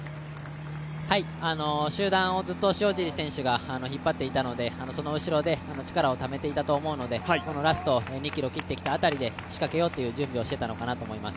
集団をずっと塩尻選手が引っ張っていたのでその後ろで力をためていたと思うのでラスト２ｋｍ切ってきた辺りで仕掛けようという準備をしていたのかなと思います。